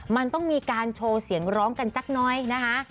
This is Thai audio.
มันต้องมีการโชว์เสียงร้องกันสักน้อยนะคะ